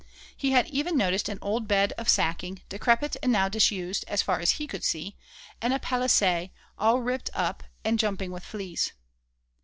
He had even noticed an old bed of sacking, decrepit and now disused, as far as he could see, and a palliasse, all ripped up and jumping with fleas.